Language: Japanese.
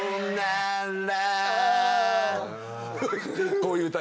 こういう歌。